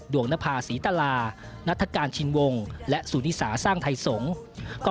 ดวงนภาษีตลานัฐกาลชินวงและสูติศาสตร์สร้างไทยสงฆ์